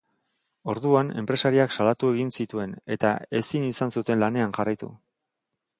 Orduan, enpresariak salatu egin zituen, eta ezin izan zuten lanean jarraitu.